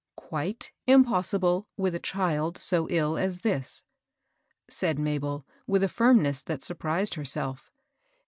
*^ Quite impossible, with a child so ill as this," said Mabel, with a firmness that surprised herself.